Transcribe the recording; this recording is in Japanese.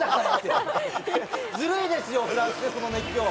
ずるいですよ、フランスのその熱狂！